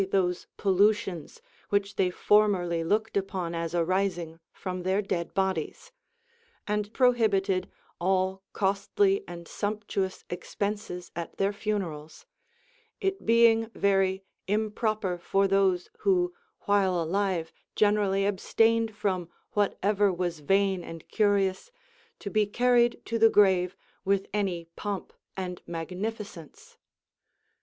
He took away those pollutions which they formerly looked upon as arising from their dead bodies, and prohibited all costly and sumptuous expenses at their funerals, it being very improper for those Avho while alive CUSTOMS OF THE LACEDAEAIONIANS. 9ίί generally abstained from whatever was vain and curious to be carried to the grave with any pomp and magnificence.